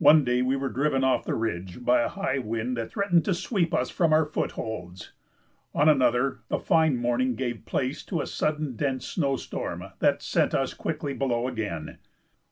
One day we were driven off the ridge by a high wind that threatened to sweep us from our footholds. On another, a fine morning gave place to a sudden dense snow storm that sent us quickly below again.